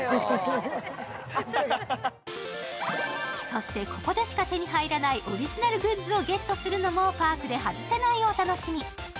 そして、ここでしか手に入らないオリジナルグッズをゲットするのもパークで外せないお楽しみ。